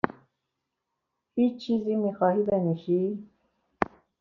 هیچ چیزی میخواهی بنوشی؟